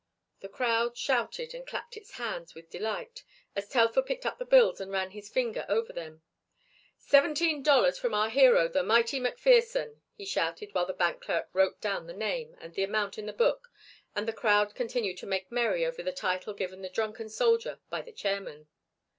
The crowd shouted and clapped its hands with delight as Telfer picked up the bills and ran his finger over them. "Seventeen dollars from our hero, the mighty McPherson," he shouted while the bank clerk wrote the name and the amount in the book and the crowd continued to make merry over the title given the drunken soldier by the chairman.